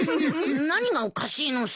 何がおかしいのさ！